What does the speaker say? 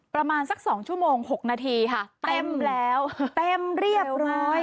ประมาณสัก๒ชั่วโมง๖นาทีค่ะเต็มแล้วเต็มเรียบร้อย